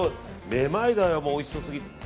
めまいだよ、おいしそうすぎて。